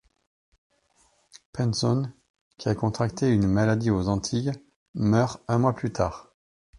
Pinzón qui a contracté une maladie aux Antilles meurt un mois plus tard.